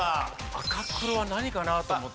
赤黒は何かな？と思って。